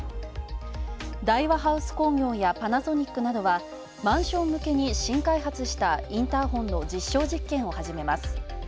大和ハウス工業やパナソニックなどはマンション向けに新開発したインターホンの実証実験を始めます。